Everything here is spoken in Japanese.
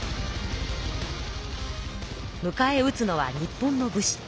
むかえうつのは日本の武士。